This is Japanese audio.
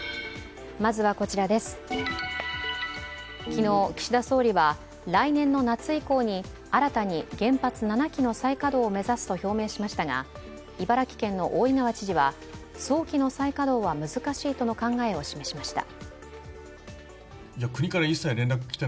昨日、岸田総理は来年の夏以降に新たに原発７基の再稼働を目指すと表明しましたが茨城県の大井川知事は早期の再稼働は難しいとの考えを示しました。